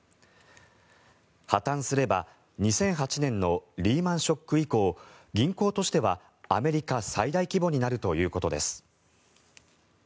破たんすれば２００８年のリーマン・ショック以降銀行としてはアメリカ最大規模になるということです。